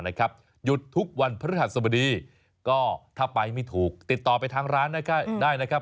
หยุดทุกวันพฤหัสบดีก็ถ้าไปไม่ถูกติดต่อไปทางร้านได้นะครับ